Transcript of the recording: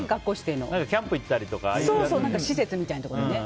キャンプ行ったりとか施設みたいなところでね。